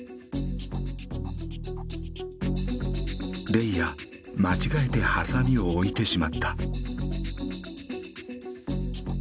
レイヤ間違えてハサミを置いてしまった。